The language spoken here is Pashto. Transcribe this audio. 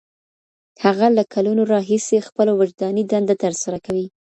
هغه له کلونو راهيسي خپله وجداني دنده ترسره کوي.